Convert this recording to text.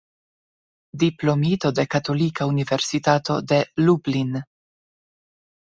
Diplomito de Katolika Universitato de Lublin.